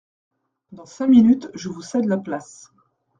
Dans cinq minutes je vous cède la place.